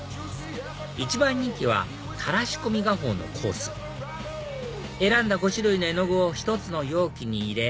一番人気はたらし込み画法のコース選んだ５種類の絵の具を１つの容器に入れ